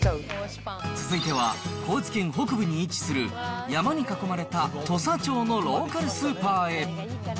続いては、高知県北部に位置する山に囲まれた土佐町のローカルスーパーへ。